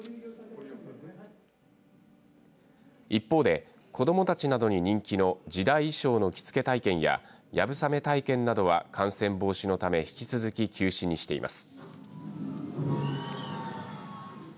一方で子どもたちなどに人気の時代衣装の着付け体験ややぶさめ体験などは感染防止のため引き続き休止にしています。